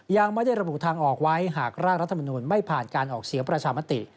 ยังไม่ได้ระบุทางออกไว้หากร่างรัฐมนุนไม่ผ่านการออกเสียงประชามติ